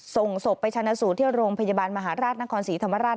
ส่งศพไปชนะสูตรที่โรงพยาบาลมหาราชนครศรีธรรมราช